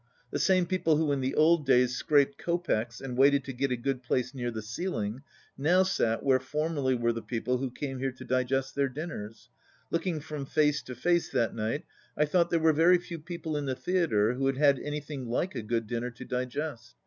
The same people who in the old days scraped kopecks and waited to get a good place near the ceiling now sat where formerly were the people who came here to digest their dinners. Looking from face to face that night I thought there were very few people in the theatre who had had anything like a good dinner to digest.